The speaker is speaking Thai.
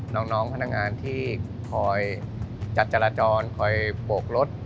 น้องพนักงานที่คอยจัดจราจรคอยโบกรถ